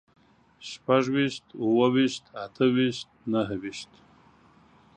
شپږ ويشت، اووه ويشت، اته ويشت، نهه ويشت